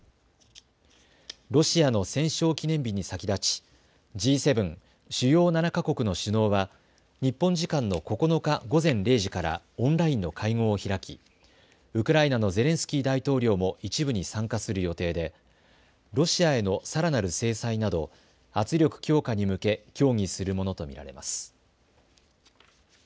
ロシアの戦勝記念日に先立ちＧ７・主要７か国の首脳は日本時間の９日午前０時からオンラインの会合を開きウクライナのゼレンスキー大統領も一部に参加する予定でロシアへのさらなる制裁など圧力強化に向け協議するものと見られます。